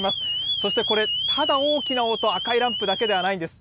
そしてこれ、ただ大きな音、赤いランプだけではないんです。